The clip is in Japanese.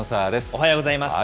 おはようございます。